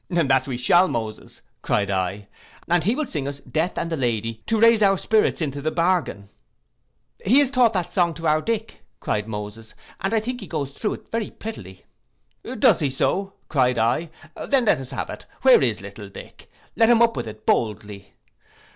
'—'That we shall, Moses,' cried I, 'and he will sing us Death and the Lady, to raise our spirits into the bargain.'—'He has taught that song to our Dick,' cried Moses; 'and I think he goes thro' it very prettily.'—'Does he so,' cried I, then let us have it: where's little Dick? let him up with it boldly.